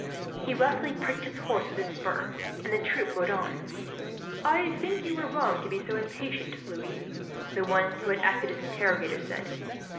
He roughly pricked his horse with his spur, and the troop rode on. "I think you are wrong to be so impatient, Louis," the one who had acted as interrogator said.